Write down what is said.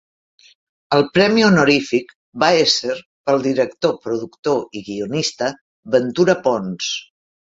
El premi honorífic va ésser pel director, productor i guionista Ventura Pons.